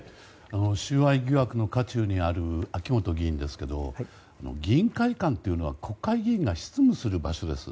収賄疑惑の渦中にある秋本議員ですが議員会館というのは国会議員が質疑する場所です。